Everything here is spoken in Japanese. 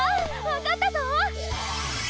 わかったぞ！